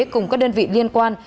cùng các đơn vị liên quan